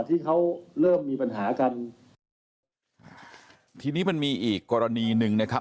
ที่เขาเริ่มมีปัญหากันทีนี้มันมีอีกกรณีหนึ่งนะครับ